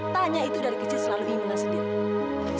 tanya itu dari kecil selalu ingin sendiri